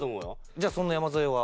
じゃあそんな山添は？